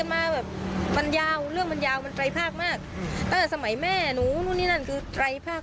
นางสาวสุริวัณภรรยาของผู้เสียชีวิตนางสาวสุริวัณภรรยาของผู้เสียชีวิต